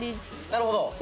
なるほど！